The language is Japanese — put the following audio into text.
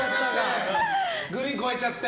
グリーン越えちゃって。